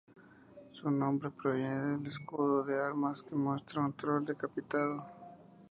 Su nombre proviene del escudo de armas que muestra un troll decapitado.